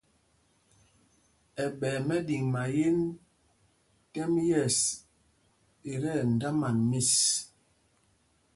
Ɛɓɛ̄y mɛɗiŋmáyēn tɛ́m yɛ̂ɛs í tí ɛdāman mis.